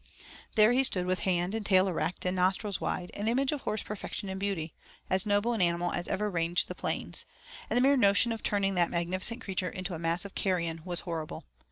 There he stood with head and tail erect, and nostrils wide, an image of horse perfection and beauty, as noble an animal as ever ranged the plains, and the mere notion of turning that magnificent creature into a mass of carrion was horrible.